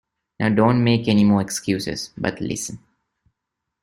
Now don’t make any more excuses, but listen!